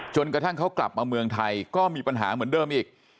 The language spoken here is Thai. กระทั่งเขากลับมาเมืองไทยก็มีปัญหาเหมือนเดิมอีก